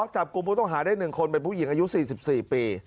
จับกลุ่มผู้ต้องหาได้๑คนเป็นผู้หญิงอายุ๔๔ปี